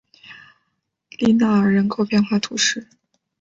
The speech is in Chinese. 利纳尔人口变化图示